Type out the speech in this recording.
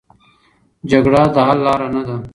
جګړه د حل لاره نه ده.